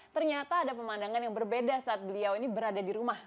ternyata ada pemandangan yang berbeda saat beliau ini berada di rumah